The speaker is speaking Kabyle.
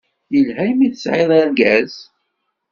Yelha imi tesɛiḍ argaz.